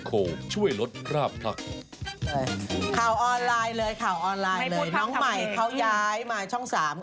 น้องใหม่เขาย้ายมาช่อง๓